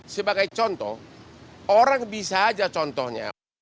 sebagai contoh orang bisa aja contohnya